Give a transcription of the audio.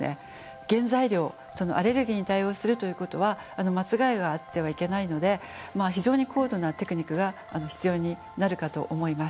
原材料アレルギーに対応するということは間違いがあってはいけないので非常に高度なテクニックが必要になるかと思います。